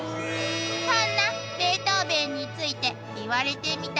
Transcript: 「そんなベートーヴェンについて言われてみたら」